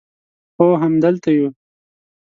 هو همدلته یو